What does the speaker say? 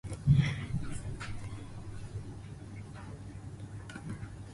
ます。」とおなじことを「くり返していた。」と記述している点を、追いかけてくる婆さんを一町ほど行っては